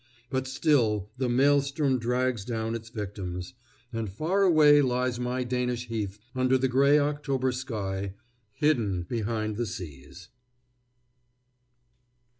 But still the maelstrom drags down its victims; and far away lies my Danish heath under the gray October sky, hidden behind the seas.